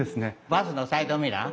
バスのサイドミラー。